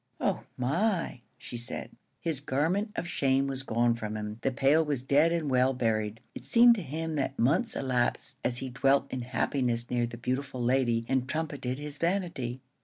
"Oh, my!" she said. His garment of shame was gone from him. The pail was dead and well buried. It seemed to him that months elapsed as he dwelt in happiness near the beautiful lady and trumpeted his vanity.